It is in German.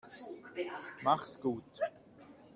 Mach's gut.